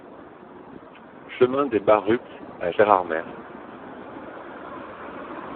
Chemin des Bas Rupts à Gérardmer